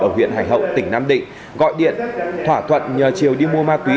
ở huyện hải hậu tỉnh nam định gọi điện thỏa thuận nhờ triều đi mua ma túy